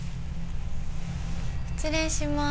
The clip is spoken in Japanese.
失礼します。